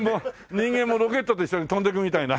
人間もロケットと一緒に飛んでくみたいな。